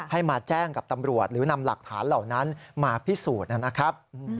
ให้มาแจ้งกับตำรวจหรือนำหลักฐานเหล่านั้นมาพิสูจน์นะครับ